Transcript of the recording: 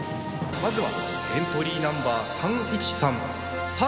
まずはエントリーナンバー３１３サボさん！